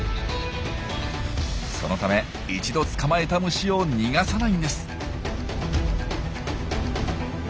そのため一度捕まえた虫を逃がさないんです。